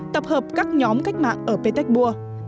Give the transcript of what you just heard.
tập hợp các nhóm cách mạng ở petersburg